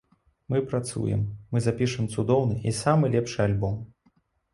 Мы працуем, мы запішам цудоўны і самы лепшы альбом.